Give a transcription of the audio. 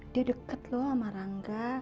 dia deket loh sama rangga